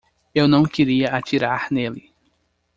Eu não queria atirar nele.